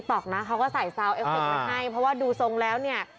เพราะว่าดูทรงแล้วเนี่ย